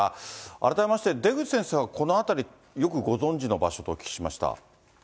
改めまして、出口先生はこの辺り、よくご存じの場所とお聞きしました。